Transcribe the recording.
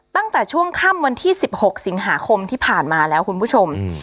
ตั้งแต่ช่วงค่ำวันที่๑๖สิงหาคมที่ผ่านมาแล้วคุณผู้ชม